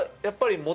やっぱり。